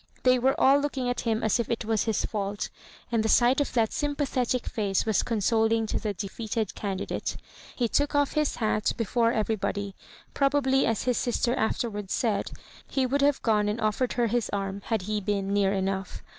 They were all looking at him as if it was his fault; and the sight of that sympathetic face was consoling to the de feated candidate. He took off his hat before everybody; probably, as his sister afterwards said, he would have gone and offered her his arm had he been near enough.